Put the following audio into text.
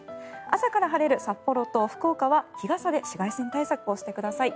朝から晴れる札幌と大阪は日傘で紫外線対策をしてください。